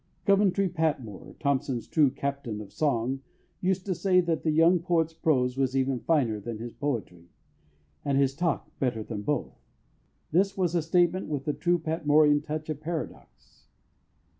Coventry Patmore, Thompson's true "Captain of Song," used to say that the young poet's prose was even finer than his poetry, and his talk better than both. This was a statement with the true Patmorean touch of paradox.